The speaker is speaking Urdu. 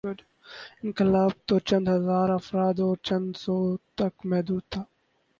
انقلاب توچند ہزارافراد اور چندسو گز تک محدود تھا۔